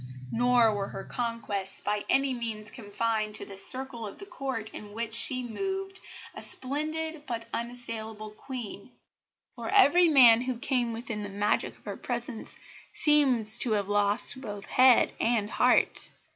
Nor were her conquests by any means confined to the circle of the Court in which she moved a splendid, but unassailable Queen, for every man who came within the magic of her presence seems to have lost both head and heart.